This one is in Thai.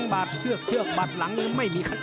บาดเชือกเชือกบาดหลังไม่มีคะแนน